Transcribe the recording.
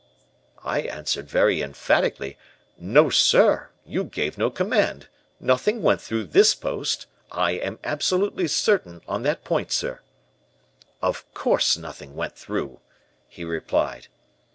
"I answered very emphatically, 'No, sir, you gave no command. Nothing went through this post. I am absolutely certain on that point, sir.' "'Of course nothing went through!' he replied.